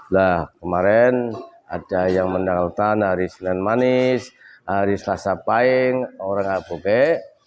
nah kemarin ada yang menautan hari sinan manis hari selasa pahing orang abubek